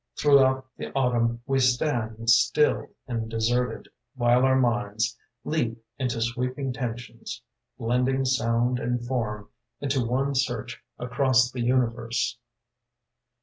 Throughout the Autumn we stand Still and deserted, while our minds Leap into sweeping tensions Blending sound and form Into one search across the universe.